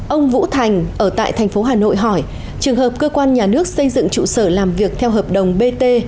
ông vũ thành ở tại thành phố hà nội hỏi trường hợp cơ quan nhà nước xây dựng trụ sở làm việc theo hợp đồng bt